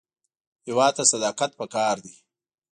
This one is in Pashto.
هېواد ته صداقت پکار دی